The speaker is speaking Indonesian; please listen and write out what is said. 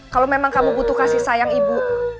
kalau memang kamu butuh kasih sayang ibu